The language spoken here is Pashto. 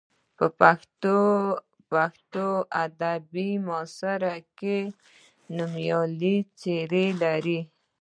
پښتو ادب په معاصره دوره کې نومیالۍ څېرې لري.